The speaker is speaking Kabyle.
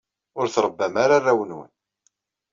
Ur trebbam ara arraw-nwen.